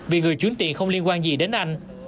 vì người chuyển tiền không liên quan gì đến anh